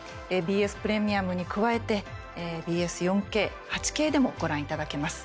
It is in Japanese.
ＢＳプレミアムに加えてＢＳ４Ｋ、８Ｋでもご覧いただけます。